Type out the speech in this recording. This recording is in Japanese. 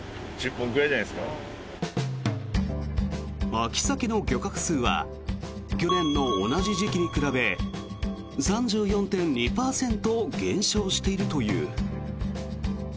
秋サケの漁獲数は去年の同じ時期に比べ３４．２％減少しているという。